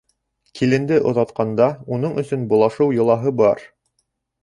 Киленде оҙатҡанда, уның өсөн болашыу йолаһы бар.